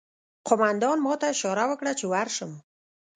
قومندان ماته اشاره وکړه چې ورشم